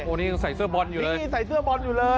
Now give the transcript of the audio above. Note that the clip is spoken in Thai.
นี่ยังใส่เสื้อบอลอยู่นี่ใส่เสื้อบอลอยู่เลย